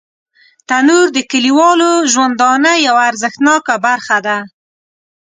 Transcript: تنور د کلیوالو ژوندانه یوه ارزښتناکه برخه ده